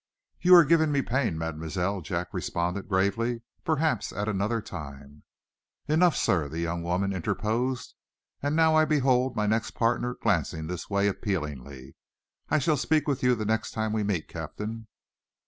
"You are giving me pain, Mademoiselle," Jack responded, gravely. "Perhaps, at another time " "Enough sir!" the young woman interposed. "And now I behold my next partner glancing this way appealingly. I shall speak with you the next time we meet, Captain."